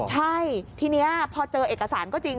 ใช่ทีนี้พอเจอเอกสารก็จริง